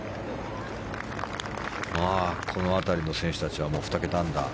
この辺りの選手たちは２桁アンダー。